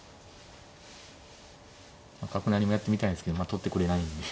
角成りもやってみたいんですけどまあ取ってくれないんで。